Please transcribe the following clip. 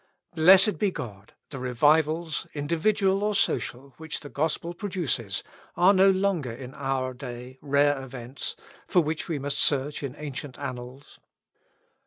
Blessed be God, the revivals, individual or social, which the Gospel produces, are no longer in our day rare events, for which we must search in ancient annals!